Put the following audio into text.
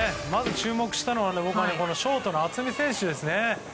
注目したのはショートの渥美選手です。